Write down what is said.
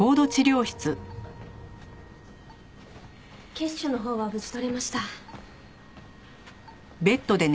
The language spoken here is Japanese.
血腫のほうは無事取れました。